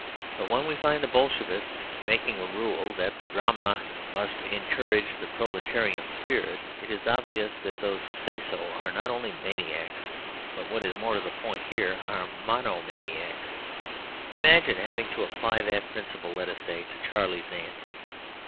But when we find the Bolshevists making a rule that the drama "must encourage the proletarian spirit," it is obvious that those who say so are not only maniacs but, what is more to the point here, are monomaniacs. Imagine having to apply that principle, let us say, to "Charley's Aunt."